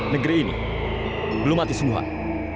negeri ini belum mati sungguhan